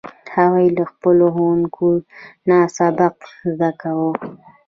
هغوی له خپلو ښوونکو نه سبق زده کوي